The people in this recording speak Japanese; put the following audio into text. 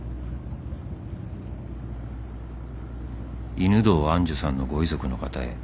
「犬堂愛珠さんのご遺族の方へ」